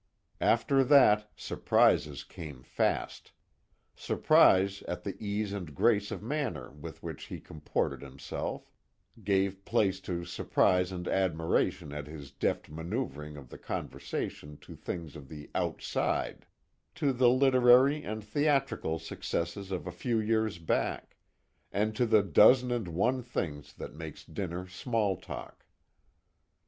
After that surprises came fast. Surprise at the ease and grace of manner with which he comported himself, gave place to surprise and admiration at his deft maneuvering of the conversation to things of the "outside" to the literary and theatrical successes of a few years back, and to the dozen and one things that make dinner small talk.